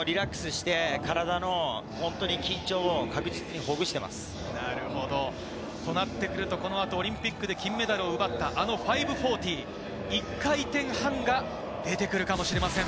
まだリラックスして体の緊張を確実にほぐしてとなると、この後、オリンピックで金メダルを奪った、あの５４０、１回転半が出てくるかもしれません。